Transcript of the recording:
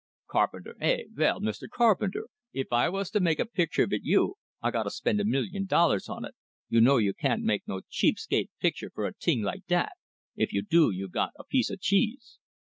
"Carpenter, eh? Vell, Mr. Carpenter, if I vas to make a picture vit you I gotta spend a million dollars on it you know you can't make no cheap skate picture fer a ting like dat, if you do you got a piece o' cheese.